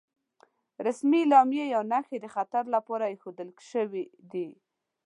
رسمي علامې یا نښې د خطر لپاره ايښودل شوې دي.